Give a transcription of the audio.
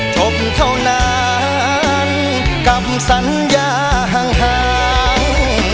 จบเท่านั้นกับสัญญาห่าง